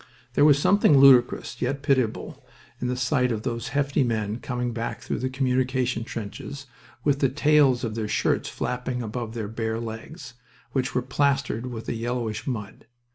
There was something ludicrous, yet pitiable, in the sight of those hefty men coming back through the communication trenches with the tails of their shirts flapping above their bare legs, which were plastered with a yellowish mud.